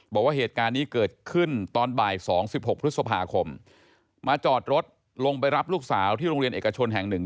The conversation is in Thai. บอกว่าเหตุการณ์นี้เกิดขึ้นตอนบ่าย๒๖พฤษภาคมมาจอดรถลงไปรับลูกสาวที่โรงเรียนเอกชนแห่งหนึ่ง